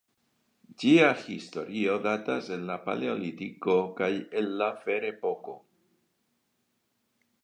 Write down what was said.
Ĝia historio datas el la Paleolitiko kaj el la Ferepoko.